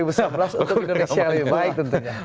untuk indonesia baik tentunya